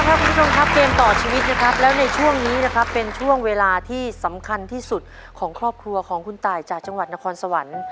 คุณผู้ชมครับเกมต่อชีวิตนะครับแล้วในช่วงนี้นะครับเป็นช่วงเวลาที่สำคัญที่สุดของครอบครัวของคุณตายจากจังหวัดนครสวรรค์